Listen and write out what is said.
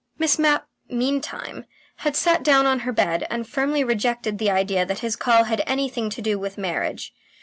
Miss Mapp meantime had sat down on her bed, and firmly rejected the idea that his call had anything to do with marriage.